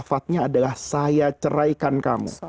sifatnya adalah saya ceraikan kamu